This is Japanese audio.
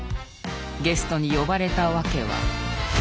ゲストに呼ばれた訳は。